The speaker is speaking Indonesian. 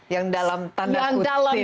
yang dalam tanda kutip